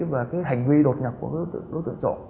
và những hành vi đột nhập của đối tượng chọn